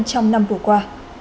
trong năm vừa qua